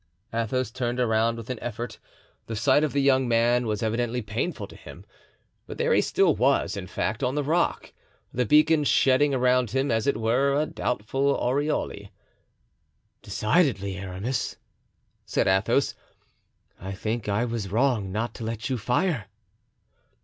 Athos turned around with an effort; the sight of the young man was evidently painful to him, and there he still was, in fact, on the rock, the beacon shedding around him, as it were, a doubtful aureole. "Decidedly, Aramis," said Athos, "I think I was wrong not to let you fire."